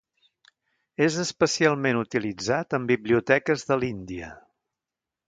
És especialment utilitzat en biblioteques de l'Índia.